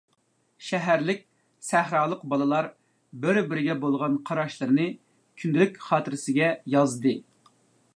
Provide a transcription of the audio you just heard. شەھەرلىك، سەھرالىق بالىلار بىر-بىرىگە بولغان قاراشلىرىنى كۈندىلىك خاتىرىسىگە يازدى.